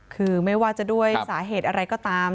คือไม่ว่าจะด้วยสาเหตุอะไรก็ตาม